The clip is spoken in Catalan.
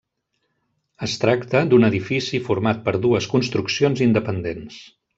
Es tracta d'un edifici format per dues construccions independents.